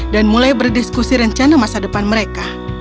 dan mulai berdiskusi rencana masa depan mereka